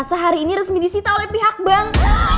perkasa hari ini resmi disita oleh pihak bank